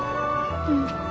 うん。